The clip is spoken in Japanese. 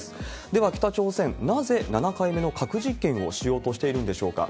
では、北朝鮮、なぜ７回目の核実験をしようとしているんでしょうか。